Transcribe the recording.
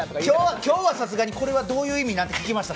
今日はさすがに、これはどういう意味？って聞きました。